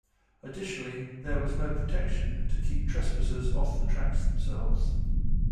Additionally, there was no protection to keep trespassers off the tracks themselves.